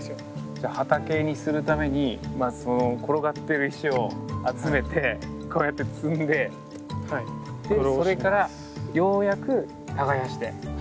じゃあ畑にするためにまずその転がってる石を集めてこうやって積んででそれからようやく耕して。